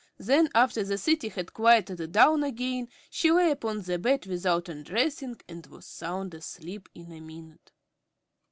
Then, after the City had quieted down again, she lay upon the bed without undressing and was sound asleep in a minute.